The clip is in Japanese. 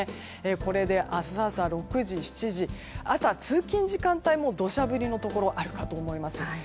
これで明日朝６時、７時朝、通勤時間帯も土砂降りのところがあるかと思います。